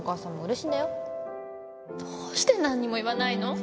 どうして何にも言わないの？